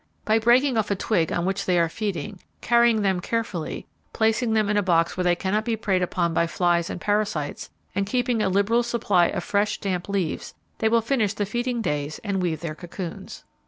By breaking off a twig on which they are feeding, carrying them carefully, placing them in a box where they cannot be preyed upon by flies and parasites, and keeping a liberal supply of fresh damp leaves, they will finish the feeding days, and weave their cocoons.